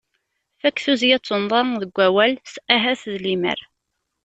Fakk tuzzya d tunnḍa deg wawal s ahat d lemmer.